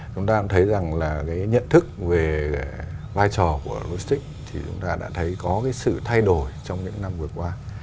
chúng ta cũng thấy rằng là cái nhận thức về vai trò của logistics thì chúng ta đã thấy có cái sự thay đổi trong những năm vừa qua